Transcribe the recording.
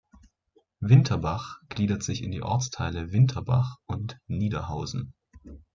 Winterbach gliedert sich in die Ortsteile Winterbach und Niederhausen.